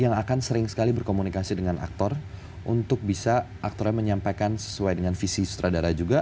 yang akan sering sekali berkomunikasi dengan aktor untuk bisa aktornya menyampaikan sesuai dengan visi sutradara juga